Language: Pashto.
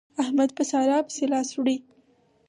احمد په سارا پسې لاس وړي.